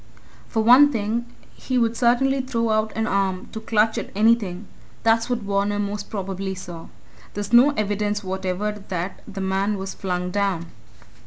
For one thing, he would certainly throw out an arm to clutch at anything. That's what Varner most probably saw. There's no evidence whatever that the man was flung down."